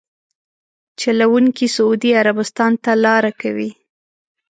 چلونکي سعودي عربستان ته لاره کوي.